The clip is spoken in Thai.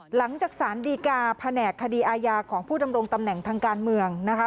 หลังจากสารดีกาแผนกคดีอาญาของผู้ดำรงตำแหน่งทางการเมืองนะคะ